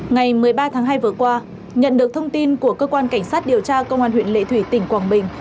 ngày một mươi ba tháng hai vừa qua nhận được thông tin của cơ quan cảnh sát điều tra công an huyện lệ thủy tỉnh quảng bình